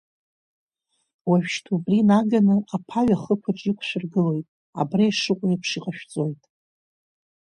Уажәшьҭа убри наганы, аԥаҩ ахықәаҿы иқәшәыргылоит, абра ишыҟоу еиԥш иҟашәҵоит…